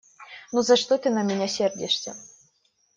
Ну за что ты на меня сердишься?